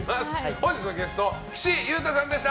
本日のゲスト、岸優太さんでした。